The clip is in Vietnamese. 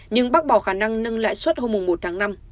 nhưng bác bỏ khả năng nâng lãi suất hôm một tháng năm